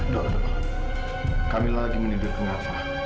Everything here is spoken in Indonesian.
dok dok kamila lagi menidur ke narafa